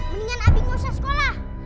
mendingan abi gak usah sekolah